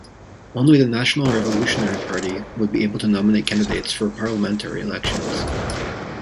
Only the National Revolutionary Party would be able to nominate candidates for parliamentary elections.